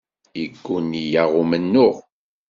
Yegguni-aɣ umennuɣ.